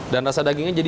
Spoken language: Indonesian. dan rasa dagingnya jadi